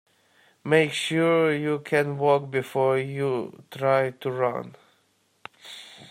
Make sure you can walk before you try to run.